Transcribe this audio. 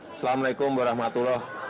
assalamu'alaikum warahmatullahi wabarakatuh